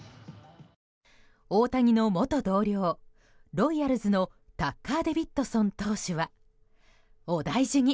大谷の元同僚、ロイヤルズのタッカー・デビッドソン投手はお大事に！